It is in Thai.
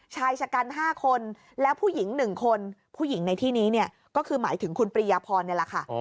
ชายชะกัน๕คนแล้วผู้หญิง๑คนผู้หญิงในที่นี้เนี่ยก็คือหมายถึงคุณปริยพรนี่แหละค่ะ